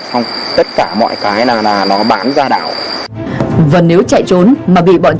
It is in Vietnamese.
thậm chí còn có người còn bị